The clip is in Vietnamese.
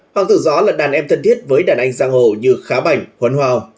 hoàng tử gió là đàn em thân thiết với đàn anh giang hồ như khá bảnh huấn hoa